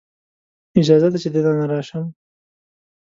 اجازه ده چې دننه راشم؟